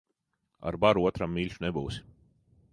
Ar varu otram mīļš nebūsi.